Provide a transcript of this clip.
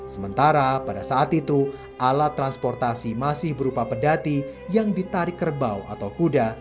sementara pada saat itu alat transportasi masih berupa pedati yang ditarik kerbau atau kuda